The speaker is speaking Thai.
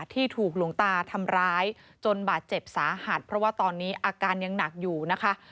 ที่ถูกหลวงตาทำร้ายจนบาดเจ็บสาหัสเพราะว่าตอนนี้อาการยังหนักอยู่นะคะ